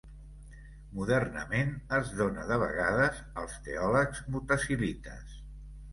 Modernament es dóna de vegades als teòlegs mutazilites.